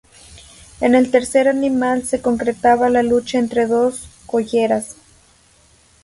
En el tercer animal se concretaba la lucha entre dos colleras.